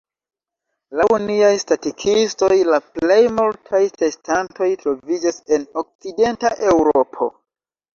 Laŭ niaj statikistoj, la plej multaj testantoj troviĝas en okcidenta Eŭropo.